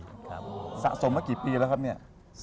สะสมมากี่ปีแล้วครับเนี่ย